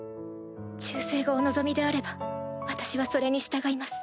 忠誠がお望みであれば私はそれに従います。